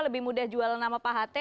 lebih mudah jual nama pak hate